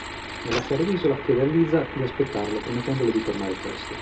Nel lasciare l'isola, chiede a Liza di aspettarlo promettendole di tornare presto.